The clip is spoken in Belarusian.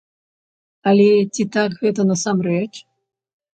Але ці так гэта насамрэч?